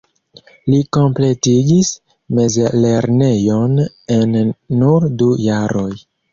Li kompletigis mezlernejon en nur du jaroj.